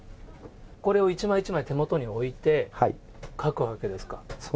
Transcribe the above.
これを一枚一枚手元に置いて、書くわけですか。